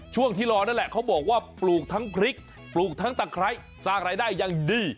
ช่วงที่รอนั่นแหละเขาบอกว่าปลูกทั้งพริกปลูกทั้งตะไคร้สร้างรายได้อย่างดี